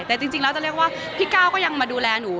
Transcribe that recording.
แต่จริงแล้วจะเรียกว่าพี่ก้าวก็ยังมาดูแลหนู